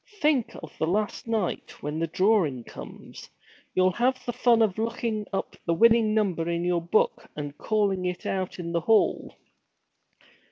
'Think of the last night, when the drawing comes! You'll have the fun of looking up the winning number in your book and calling it out in the hall.'